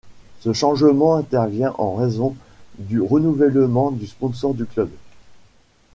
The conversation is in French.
Ce changement intervient en raison du renouvellement du sponsor du club.